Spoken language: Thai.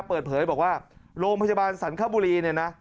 เปิดเผยบอกว่าโรงพยาบาลสรรคบุรีเนี่ยนะ